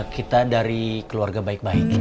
kita dari keluarga baik baik